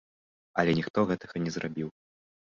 Але ніхто гэтага не зрабіў.